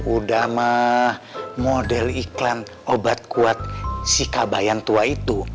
udah mah model iklan obat kuat si kabayan tua itu